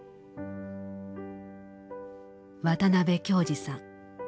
渡辺京二さん。